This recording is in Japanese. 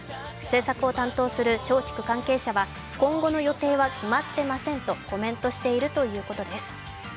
製作を担当する松竹の関係者は今後の予定は決まっていませんとコメントしているということです。